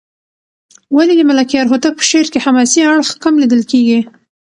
ولې د ملکیار هوتک په شعر کې حماسي اړخ کم لېدل کېږي؟